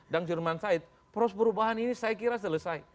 dan jerman said polos perubahan ini saya kira selesai